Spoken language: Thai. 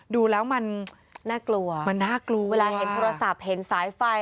ดูแล้วมันมันน่ากลัวว่ะเวลาเห็นโทรศัพท์เห็นสายไฟ